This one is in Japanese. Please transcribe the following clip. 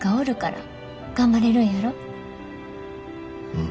うん。